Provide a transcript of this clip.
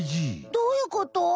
どういうこと？